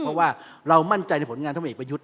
เพราะว่าเรามั่นใจในผลงานท่านผู้เอกประยุทธ์